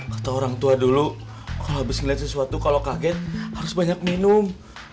kata orang tua dulu kalau habis ngeliat sesuatu kalau kaget harus banyak minum